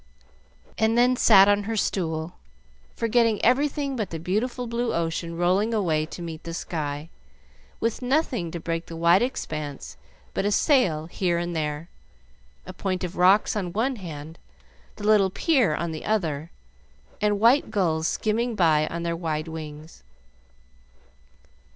and then sat on her stool, forgetting everything but the beautiful blue ocean rolling away to meet the sky, with nothing to break the wide expanse but a sail here and there, a point of rocks on one hand, the little pier on the other, and white gulls skimming by on their wide wings.